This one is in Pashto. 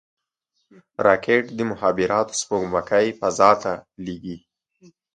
راکټ د مخابراتو سپوږمکۍ فضا ته لیږي